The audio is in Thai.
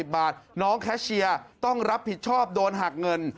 บาทน้องแคชเชียร์ต้องรับผิดชอบโดนหักเงิน